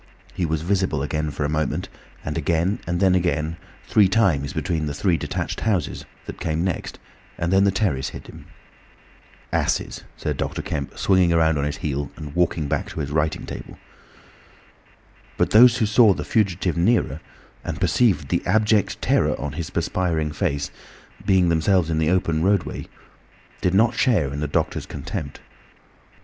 He was visible again for a moment, and again, and then again, three times between the three detached houses that came next, and then the terrace hid him. "Asses!" said Dr. Kemp, swinging round on his heel and walking back to his writing table. But those who saw the fugitive nearer, and perceived the abject terror on his perspiring face, being themselves in the open roadway, did not share in the doctor's contempt.